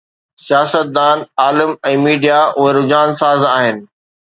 سياستدان، عالم ۽ ميڊيا، اهي رجحان ساز آهن.